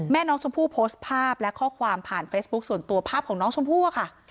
แม่น้องชมพู่โพสต์ภาพและข้อความผ่านเฟซบุ๊คส่วนตัวภาพของน้องชมพู่อะค่ะ